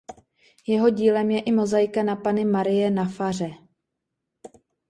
Jeho dílem je i mozaika na Panny Marie na faře.